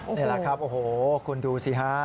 นี่แหละครับโอ้โหคุณดูสิฮะ